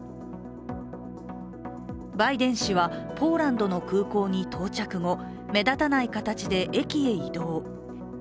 バイデン氏はポーランドの空港に到着後目立たない形で駅へ移動。